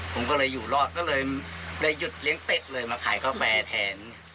ผมก็เลยอยู่รอดก็เลยหยุดเลี้ยงเป็ดเลยมาขายกาแฟแทน